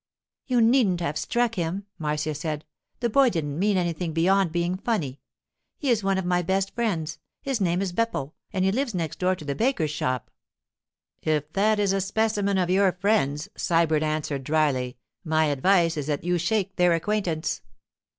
'You needn't have struck him,' Marcia said. 'The boy didn't mean anything beyond being funny. He is one of my best friends; his name is Beppo, and he lives next door to the baker's shop.' 'If that is a specimen of your friends,' Sybert answered dryly, 'my advice is that you shake their acquaintance.